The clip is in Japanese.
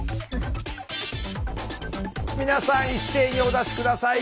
皆さん一斉にお出し下さい。